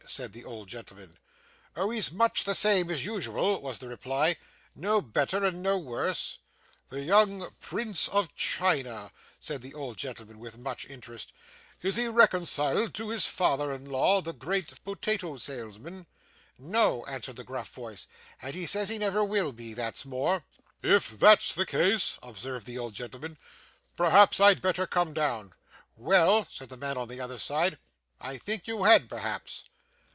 said the old gentleman. 'Oh! he's much the same as usual,' was the reply. 'No better and no worse.' 'The young Prince of China,' said the old gentleman, with much interest. 'Is he reconciled to his father in law, the great potato salesman?' 'No,' answered the gruff voice; 'and he says he never will be, that's more.' 'If that's the case,' observed the old gentleman, 'perhaps I'd better come down.' 'Well,' said the man on the other side, 'I think you had, perhaps.